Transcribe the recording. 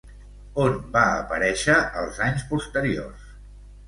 On va aparèixer els anys posteriors?